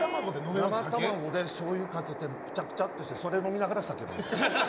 生卵しょうゆかけてくちゃくちゃってしてそれ飲みながら酒飲みたい。